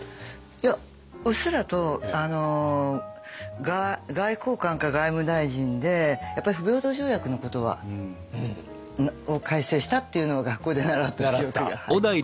いやうっすらと外交官か外務大臣でやっぱり不平等条約のことは。を改正したっていうのを学校で習った記憶が。